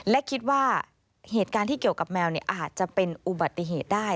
และคิดว่าเหตุการณ์ที่เกี่ยวกับแมวอาจจะเป็นอุบัติเหตุได้